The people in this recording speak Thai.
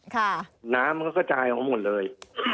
น้ำมันก็กระจายออกมาหมดเลย